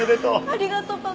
ありがとうパパ。